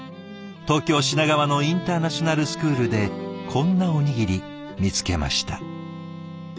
東京・品川のインターナショナルスクールでこんなおにぎり見つけました。